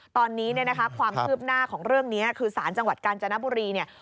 ตอนนี้ความคือบหน้าของเรื่องนี้คือสารจังหวัดกัลจนบุรี